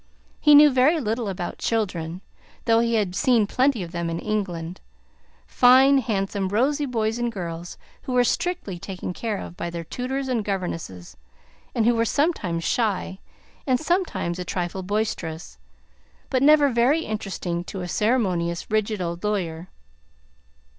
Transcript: He knew very little about children, though he had seen plenty of them in England fine, handsome, rosy girls and boys, who were strictly taken care of by their tutors and governesses, and who were sometimes shy, and sometimes a trifle boisterous, but never very interesting to a ceremonious, rigid old lawyer.